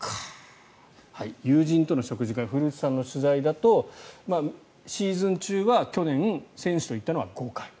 友人との食事会古内さんの取材だとシーズン中は去年、選手と行ったのは５回。